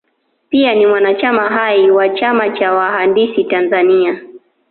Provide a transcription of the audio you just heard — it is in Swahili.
Pia ni mwanachama hai wa chama cha wahandisi Tanzania